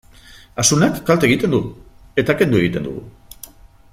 Asunak kalte egiten du, eta kendu egiten dugu.